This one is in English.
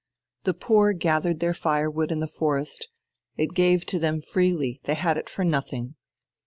The poor gathered their firewood in the forest; it gave to them freely, they had it for nothing.